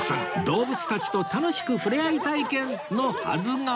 動物たちと楽しくふれあい体験！のはずが